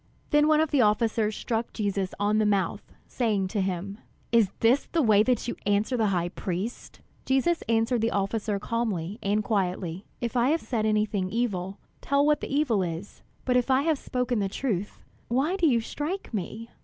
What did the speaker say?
Then one of the officers struck Jesus on the mouth, saying to him: "Is this the way that you answer the high priest?" Jesus answered the officer calmly and quietly: "If I have said anything evil, tell what the evil is; but if I have spoken the truth, why do you strike me?"